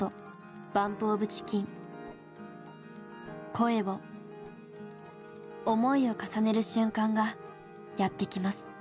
声を思いを重ねる瞬間がやって来ます。